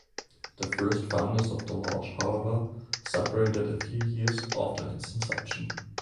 The first founders of the lodge, however, separated a few years after its inception.